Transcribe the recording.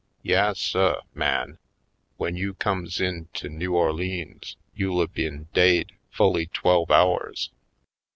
Yas, suh, man, w'en you comes to in Newerleans you'll a been daid fully twelve hours.